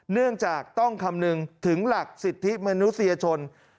เนื่องจากต้องคำนึงถึงหลักสิทธิมนุษยชน